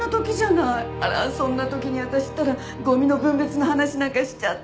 あらそんな時に私ったらゴミの分別の話なんかしちゃって。